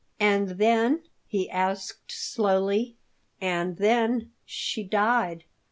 "And then?" he asked slowly. "And then she died.